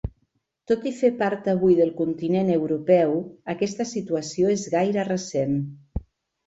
Tot i fer part avui del continent europeu, aquesta situació és gaire recent.